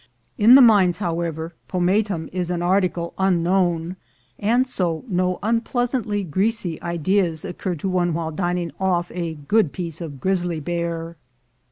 In the mines, however, pomatum is an article un known, and so no unpleasantly greasy ideas occur to one while dining off a good piece of grizzly bear.